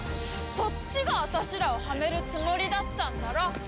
そっちが私らをハメるつもりだったんだろ。